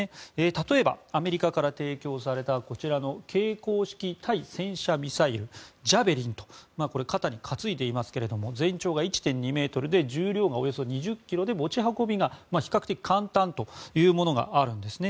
例えばアメリカから提供されたこちらの携行式対戦車ミサイルジャベリンとこれ、肩に担いでいますが全長が１．２ｍで重量がおよそ２０ｋｇで持ち運びが比較的簡単というものがあるんです。